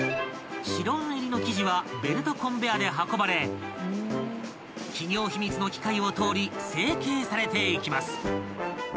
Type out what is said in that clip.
［白あん入りの生地はベルトコンベヤーで運ばれ企業秘密の機械を通り成形されていきます］